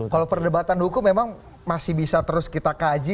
kalau perdebatan hukum memang masih bisa terus kita kaji